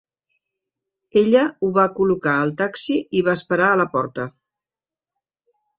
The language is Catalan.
Ella ho va col·locar al taxi i va esperar a la porta.